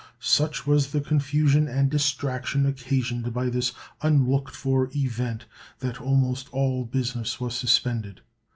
Such was the confusion and distraction occasioned by this unlooked for event, that almost all business was suspended.